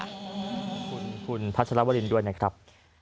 ขอบคุณคุณพัชรวรินด้วยนะครับ